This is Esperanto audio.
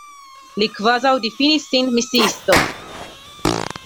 Li kvazaŭ difinis sin misiisto.